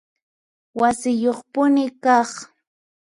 Wasiyuqpuni kaq